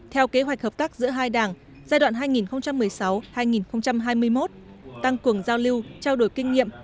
theo kế hoạch hợp tác giữa hai đảng giai đoạn hai nghìn một mươi sáu hai nghìn hai mươi một tăng cường giao lưu trao đổi kinh nghiệm